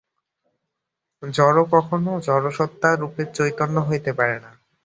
জড় কখনও জড়সত্তা-রূপে চৈতন্য হইতে পারে না।